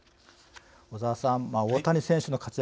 小澤さん、大谷選手の活躍